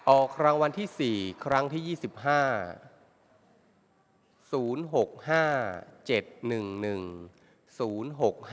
ออกรางวัลที่สี่ครั้งที่ยี่สิบสาม